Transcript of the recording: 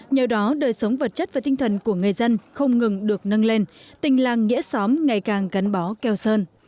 nhờ đó đời sống vật chất và tinh thần của người dân không ngừng được nâng lên tình làng nghĩa xóm ngày càng gắn bó keo sơn